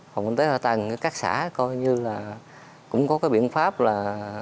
phòng tế hoạt tăng các xã coi như là cũng có cái biện pháp là